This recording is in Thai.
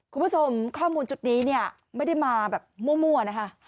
คุณผู้ชมข้อมูลจุดนี้เนี่ยไม่ได้มาแบบมั่วนะคะ